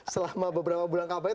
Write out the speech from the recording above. selama beberapa bulan kampanye